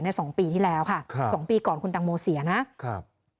สองปีที่แล้วค่ะครับสองปีก่อนคุณตังโมเสียนะครับ